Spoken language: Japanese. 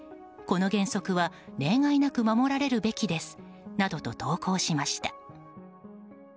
この原則は例外なく守られるべきですなどと投稿しました。